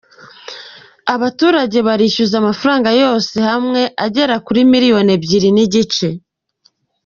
Abaturage barishyuza amafaranga yose hamwe agera kuri miliyoni ebyiri n’igice.